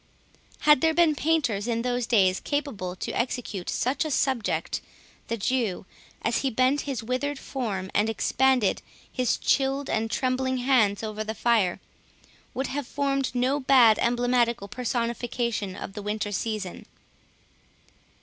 Had there been painters in those days capable to execute such a subject, the Jew, as he bent his withered form, and expanded his chilled and trembling hands over the fire, would have formed no bad emblematical personification of the Winter season.